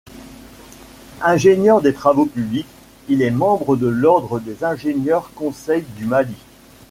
Ingénieur des travaux publics, il est membre de l'Ordre des ingénieurs conseils du Mali.